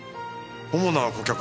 主な顧客は？